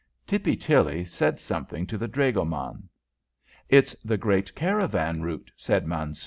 Tippy Tilly said something to the dragoman. "It's the great caravan route," said Mansoor.